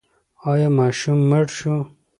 ایا ماشوم مړ شو؟